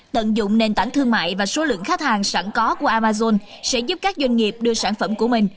tận dụng nền tảng thương mại và số lượng khách hàng sẵn có của amazon sẽ giúp các doanh nghiệp đưa sản phẩm của mình